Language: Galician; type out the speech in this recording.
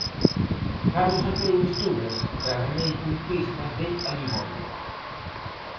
Cando saquei Misturas traballei con pistas de Aliboria.